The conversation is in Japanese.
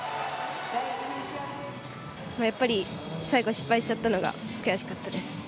やっぱり最後失敗しちゃったのが悔しかったです。